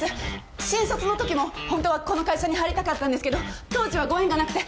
新卒のときもホントはこの会社に入りたかったんですけど当時はご縁がなくて。